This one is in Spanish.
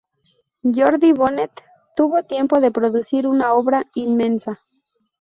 Jordi Bonet tuvo tiempo de producir una obra inmensa.